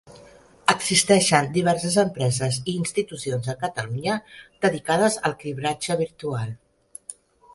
Existeixen diverses empreses i institucions a Catalunya dedicades al cribratge virtual.